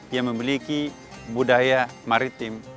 yang memiliki budaya maritim